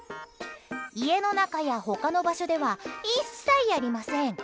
家の中や他の場所では一切やりません。